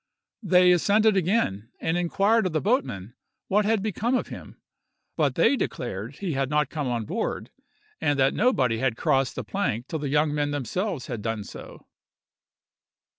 They ascended again, and inquired of the boatmen what had become of him; but they declared he had not come on board, and that nobody had crossed the plank till the young men themselves had done so.